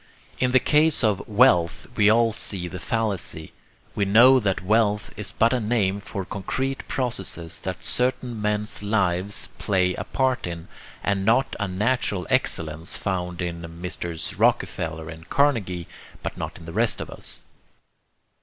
In the case of 'wealth' we all see the fallacy. We know that wealth is but a name for concrete processes that certain men's lives play a part in, and not a natural excellence found in Messrs. Rockefeller and Carnegie, but not in the rest of us.